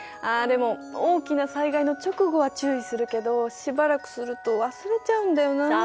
あでも大きな災害の直後は注意するけどしばらくすると忘れちゃうんだよな。